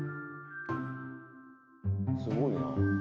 すごいな。